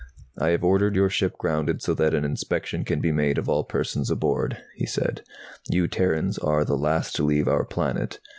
"I have ordered your ship grounded so that an inspection can be made of all persons aboard," he said. "You Terrans are the last to leave our planet.